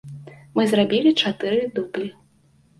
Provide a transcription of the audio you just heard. Мы зрабілі чатыры дублі.